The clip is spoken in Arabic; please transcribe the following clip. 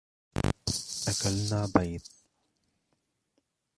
اكلنا بيض.